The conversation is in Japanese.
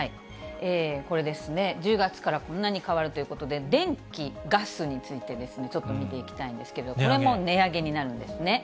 これですね、１０月からこんなに変わるということで、電気・ガスについてですね、ちょっと見ていきたいんですけど、これも値上げになるんですね。